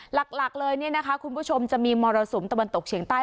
หลักเลยเนี่ยนะคะคุณผู้ชมจะมีมรสุมตะวันตกเฉียงใต้